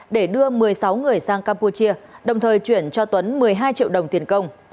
để đưa một mươi sáu người sang campuchia đồng thời chuyển cho tuấn một mươi hai triệu đồng tiền công